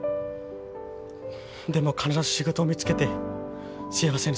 でも必ず仕事見つけて幸せにするから。